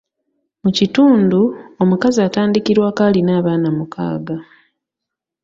Mu kitundu, omukazi atandikirwako alina abaana mukaaga.